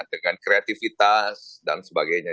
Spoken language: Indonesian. dengan kreativitas dan sebagainya